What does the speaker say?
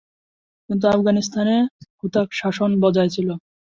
কিন্তু আফগানিস্তানে হুতাক শাসন বজায় ছিল।